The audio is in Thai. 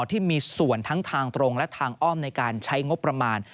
ที่มีส่วนทั้งทางตรงและทางอ้อมในการใช้งบประมาณ